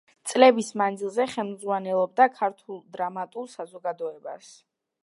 წლების მანძილზე ხელმძღვანელობდა ქართული დრამატულ საზოგადოებას.